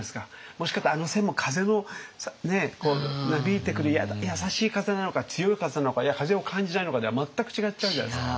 もしかしたらあの線も風のなびいてくる優しい風なのか強い風なのか風を感じないのかでは全く違っちゃうじゃないですか。